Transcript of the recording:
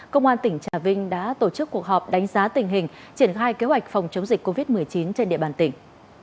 công an tỉnh trà vinh đã tổ chức cuộc họp đánh giá tình hình triển khai kế hoạch phòng chống dịch covid một mươi chín trên địa bàn tỉnh